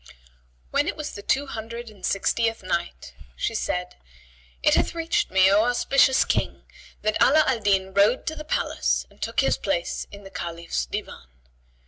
When it was the Two Hundred and Sixtieth Night, She said, It hath reached me, O auspicious King, that Ala al Din rode to the palace and took his place in the Caliph's Divan.